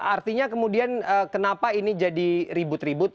artinya kemudian kenapa ini jadi ribut ribut